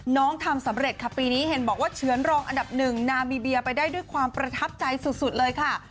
ทำสำเร็จค่ะปีนี้เห็นบอกว่าเฉือนรองอันดับหนึ่งนามีเบียไปได้ด้วยความประทับใจสุดเลยค่ะ